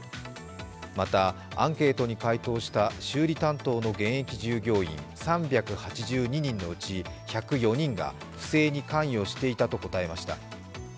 また、アンケートに回答した修理担当の現役従業員３８２人のうち１０４人が不正に関与していたと答えました。